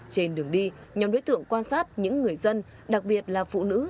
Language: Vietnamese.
trên đường đi nhóm đối tượng quan sát những người dân đặc biệt là phụ nữ